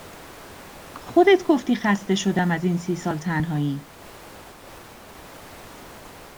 خودت گفتی خسته شدم از این سی سال تنهایی